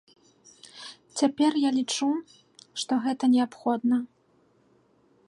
Цяпер я лічу, што гэта неабходна.